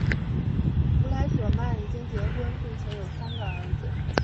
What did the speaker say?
弗莱舍曼已经结婚并且有三个儿子。